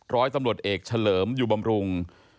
ร้อยตำรวจเอกเฉลิมอยู่บำรุง